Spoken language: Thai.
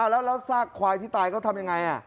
แล้วซากควายที่ตายเขาทำยังไง